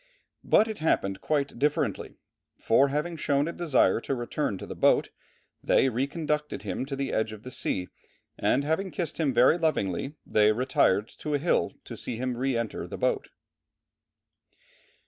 But it happened quite differently; for having shown a desire to return to the boat they reconducted him to the edge of the sea, and having kissed him very lovingly, they retired to a hill to see him re enter the boat."